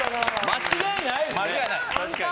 間違いないですね。